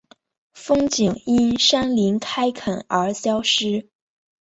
风景因山林开垦而消失